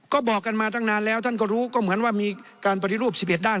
ก็บอกกันมาตั้งนานแล้วท่านก็รู้ก็เหมือนว่ามีการปฏิรูป๑๑ด้าน